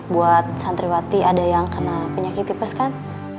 buat santriwati ada yang kena penyakit tipes kan